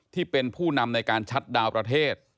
ที่เป็นผู้นำในการชัดดาวน์ประเทศ